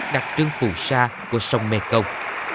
đặc trưng phù sa của sông mekong